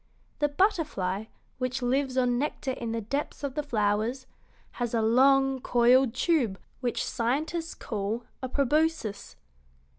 The butterfly, which lives on nectar in the depths of the flowers, has a long, coiled tube which scientists call a proboscis.